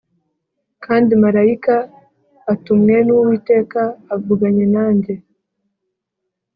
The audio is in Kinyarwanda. kandi marayika utumwe n’Uwiteka avuganye nanjye